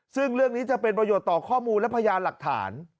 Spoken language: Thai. ซึ่งเรื่องนี้จะเป็นประโยชน์ต่อข้อมูลและพยานหลักฐาน